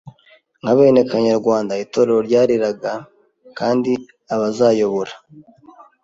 nka bene Kanyarwanda. Itorero ryareraga kandi abazayobora